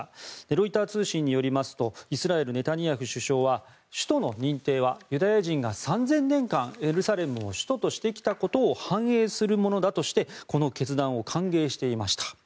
ロイター通信によりますとイスラエル、ネタニヤフ首相は首都の認定はユダヤ人が３０００年間エルサレムを首都としてきたことを反映するものだとしてこの決断を歓迎していました。